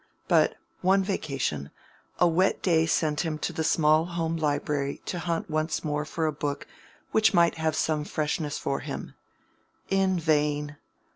But, one vacation, a wet day sent him to the small home library to hunt once more for a book which might have some freshness for him: in vain!